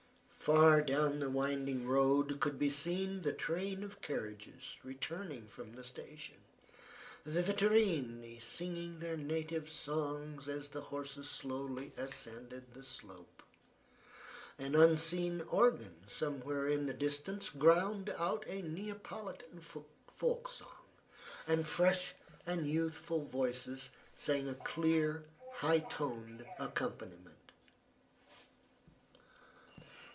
Far down the winding road could be seen the train of carriages returning from the station, the vetturini singing their native songs as the horses slowly ascended the slope. An unseen organ somewhere in the distance ground out a Neapolitan folk song, and fresh and youthful voices sang a clear, high toned accompaniment.